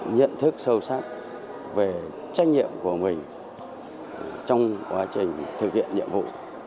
nhận thức sâu sắc về trách nhiệm của mình trong quá trình thực hiện nhiệm vụ